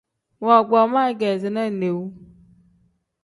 Woogboo ma ikeezina inewu.